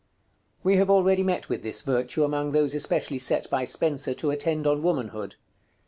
We have already met with this virtue among those especially set by Spenser to attend on Womanhood.